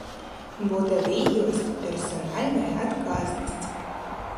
Бо тады ёсць персанальная адказнасць.